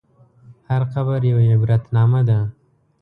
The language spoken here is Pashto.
هر قبر یوه عبرتنامه ده.